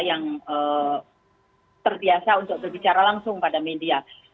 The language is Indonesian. yang terbiasa untuk berbicara langsung pada media